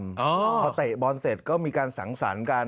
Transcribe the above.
พอเตะบอลเสร็จก็มีการสังสรรค์กัน